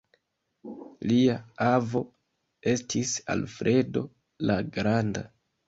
Lia avo estis Alfredo la granda.